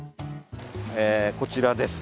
こちらです。